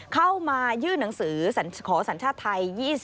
เข้ามายื่นหนังสือขอสัญชาติไทย